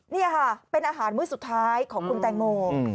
นี่ค่ะเป็นอาหารมื้อสุดท้ายของคุณแตงโม